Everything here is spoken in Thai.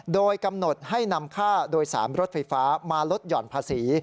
โดยกำหนดให้นำค่าโดยสารรถไฟฟ้ามาลดหย่อนภาษี